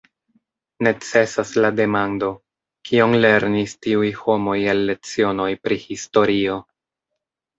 Necesas la demando: Kion lernis tiuj homoj el lecionoj pri historio?